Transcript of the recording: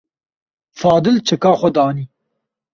Fadil çeka xwe danî.